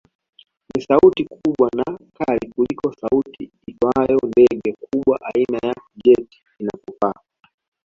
Ni sauti kubwa na kali kuliko sauti itoayo ndege kubwa aina ya jet inapopaa